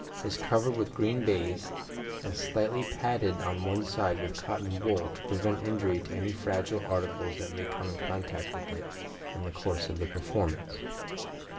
is covered with green baize, and slightly padded on one side with cotton wool, to prevent injury to any fragile article that may come in contact with it in the course of the performance.